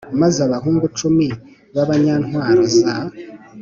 Maze abahungu cumi b abanyantwaro za